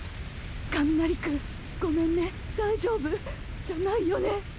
上鳴くんごめんね大丈夫！？じゃないよね！？